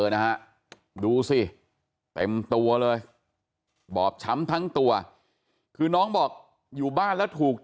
นะฮะดูสิเต็มตัวเลยบอบช้ำทั้งตัวคือน้องบอกอยู่บ้านแล้วถูก